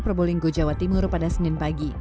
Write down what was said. perboling gojawa timur pada senin pagi